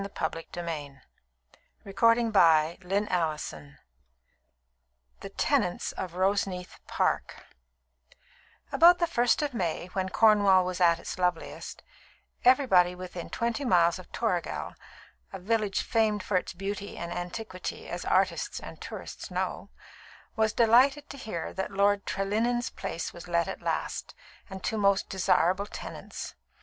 "Now I am going to make them come true." CHAPTER VI The Tenants of Roseneath Park About the first of May, when Cornwall was at its loveliest, everybody within twenty miles of Toragel (a village famed for its beauty and antiquity, as artists and tourists know) was delighted to hear that Lord Trelinnen's place was let at last, and to most desirable tenants.